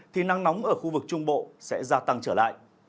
thì nắng nóng ở khu vực trung bộ sẽ gia tăng trở lại